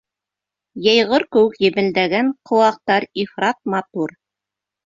Йәйғор кеүек емелдәгән ҡыуыҡтар ифрат матур.